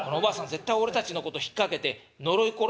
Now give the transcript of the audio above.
絶対俺たちのことを引っ掛けて呪い殺そうとしてるぜ」。